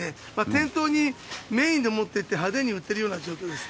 店頭にメインでもっていって、派手に売ってるような状況です。